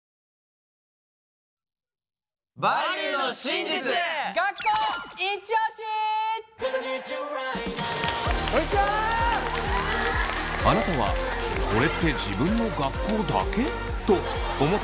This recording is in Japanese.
あなたは「これって自分の学校だけ？」と思ったことありませんか？